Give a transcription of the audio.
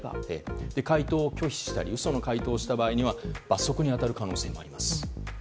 回答を拒否したり嘘の回答をした場合には罰則に当たる可能性があります。